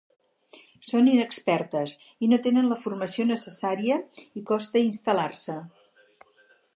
Són inexpertes i no tenen la formació necessària, i costa instal·lar-se.